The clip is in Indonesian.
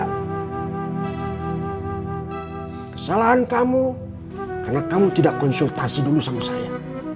kesalahan kamu karena kamu tidak konsultasi dulu sama saya